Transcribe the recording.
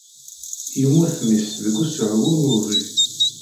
Yemmut mmi-s deg usehwu n ubrid.